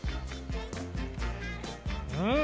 うん！